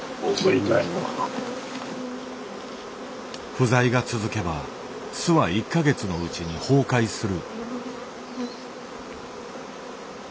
不在が続けば巣は１か月のうちに崩壊する。